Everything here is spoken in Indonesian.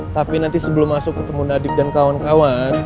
tapi nanti sebelum masuk ketemu nadik dan kawan kawan